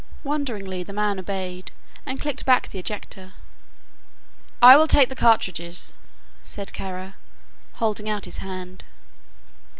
Wonderingly the man obeyed, and clicked back the ejector. "I will take the cartridges," said Kara, holding out his hand.